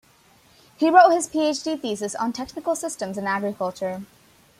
He wrote his PhD thesis on technical systems in agriculture.